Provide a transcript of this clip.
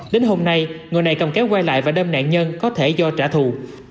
đến hôm nay người này cầm kéo quay lại và đem nạn nhân có thể do trả thù